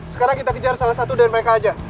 sekarang kita kejar salah satu dari mereka aja